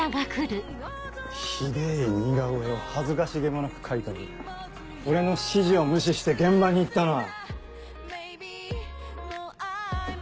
ひでぇ似顔絵を恥ずかしげもなく描いた上俺の指示を無視して現場に行ったのは。